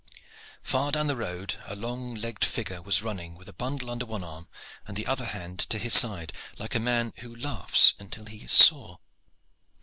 Far down the road a long legged figure was running, with a bundle under one arm and the other hand to his side, like a man who laughs until he is sore.